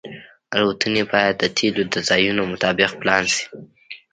الوتنې باید د تیلو د ځایونو مطابق پلان شي